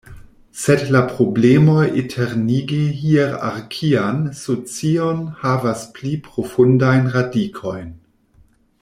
Sed la problemoj eternigi hierarkian socion havas pli profundajn radikojn.